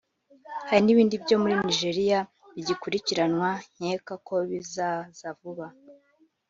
hari n’ibindi byo muri Nigeria bigikurikiranwa nkeka ko bizaza vuba